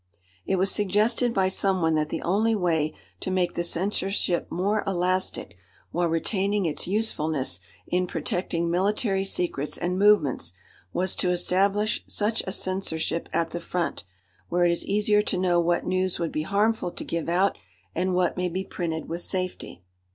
It was suggested by some one that the only way to make the censorship more elastic, while retaining its usefulness in protecting military secrets and movements, was to establish such a censorship at the front, where it is easier to know what news would be harmful to give out and what may be printed with safety.